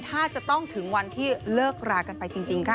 ถ้าจะต้องถึงวันที่เลิกรากันไปจริงค่ะ